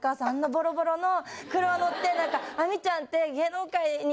ボロボロの車乗って亜美ちゃんって。